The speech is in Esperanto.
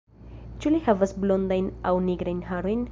Ĉu li havas blondajn aŭ nigrajn harojn?